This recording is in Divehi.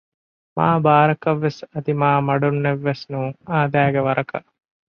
މާބާރަކަށްވެސް އަދި މާމަޑުންނެއް ވެސް ނޫން އާދައިގެ ވަރަކަށް